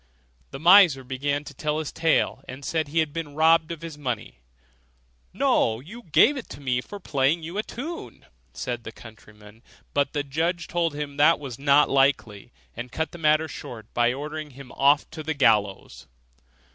The miser began to tell his tale, and said he had been robbed of his money. 'No, you gave it me for playing a tune to you.' said the countryman; but the judge told him that was not likely, and cut the matter short by ordering him off to the gallows.